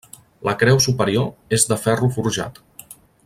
La creu superior és de ferro forjat.